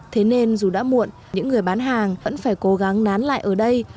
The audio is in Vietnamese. thế nên dù đã muộn những người bán hàng vẫn phải cố gắng nán lại ở đây